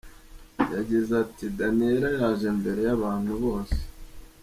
Yagize ati “Daniella yaje mbere y’abantu bose.